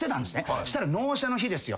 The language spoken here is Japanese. そしたら納車の日ですよ。